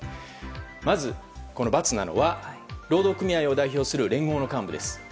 まず×なのは、労働組合を代表する連合の幹部です。